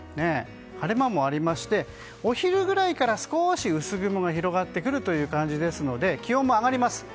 晴れ間もありましてお昼ぐらいから少し薄雲が広がってくるという感じですので気温も上がります。